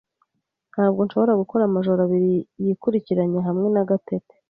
Ntabwo nshobora gukora amajoro abiri yikurikiranya hamwe na Gatete.